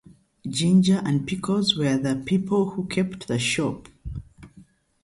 Ginger and Pickles were the people who kept the shop.